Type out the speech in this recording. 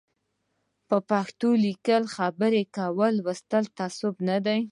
په پښتو لیکل خبري کول لوستل تعصب نه دی